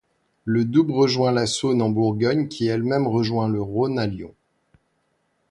Le Doubs rejoint la Saône en Bourgogne qui elle-même rejoint le Rhône à Lyon.